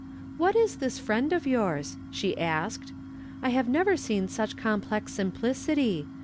"What is this friend of yours?" she asked. "I have never seen such complex simplicity.